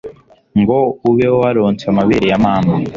ngo ube waronse amabere ya mama